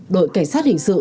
đội cảnh sát hình sự